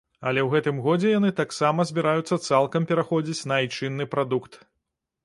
Але ў гэтым годзе яны таксама збіраюцца цалкам пераходзіць на айчынны прадукт.